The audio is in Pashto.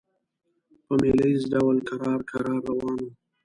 په مېله ییز ډول کرار کرار روان وو.